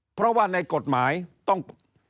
เพราะว่าในกฎหมายต้อง